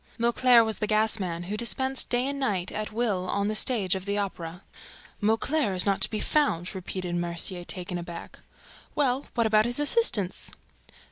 Mauclair was the gas man, who dispensed day and night at will on the stage of the Opera. "Mauclair is not to be found!" repeated Mercier, taken aback. "Well, what about his assistants?"